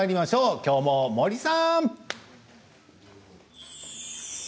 きょうも森さん。